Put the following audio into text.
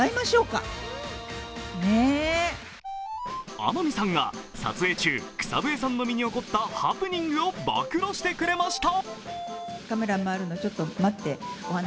天海さんが撮影中草笛さんの身に起こったハプニングを暴露してくれました。